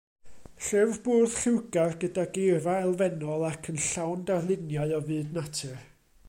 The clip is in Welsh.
Llyfr bwrdd lliwgar gyda geirfa elfennol ac yn llawn darluniau o fyd natur.